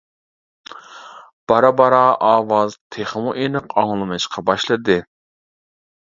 بارا-بارا ئاۋاز تېخىمۇ ئېنىق ئاڭلىنىشقا باشلىدى.